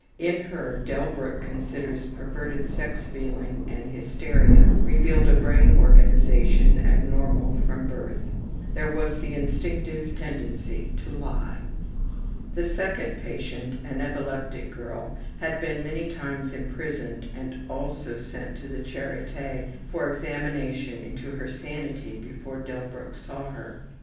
In her, Delbruck considers perverted sex feeling and hysteria revealed a brain organization abnormal from birth. There was the instinctive tendency to lie. The second patient, an epileptic girl, had been many times imprisoned and also sent to the Charite for examination into her sanity before Delbruck saw her.